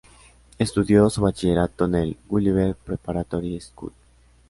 Estudió su bachillerato en el Gulliver Preparatory School.